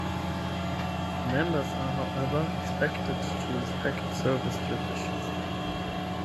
Members are, however, expected to respect service traditions.